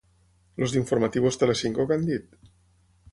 Els d'"Informativos Telecinco" què han dit?